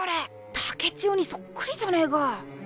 竹千代にそっくりじゃねえか